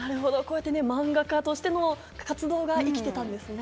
漫画家としての活動が生きてたんですね。